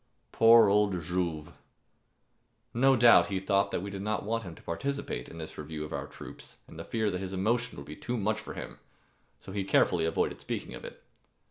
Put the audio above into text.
Poor old Jouve! No doubt he thought that we did not want him to participate in this review of our troops in the fear that his emotion would be too much for him, so he carefully avoided speaking of it.